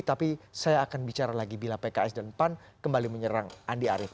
tapi saya akan bicara lagi bila pks dan pan kembali menyerang andi arief